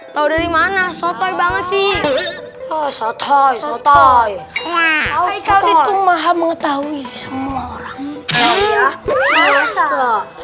tahu dari mana sotoy banget sih sotoy sotoy sotoy sotoy itu maha mengetahui semua orang